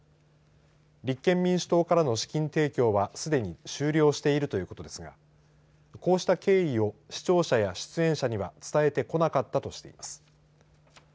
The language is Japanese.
立憲民主党からの資金提供はすでに終了しているということですがこうした経緯を視聴者や出演者には伝えてこなかったとしています。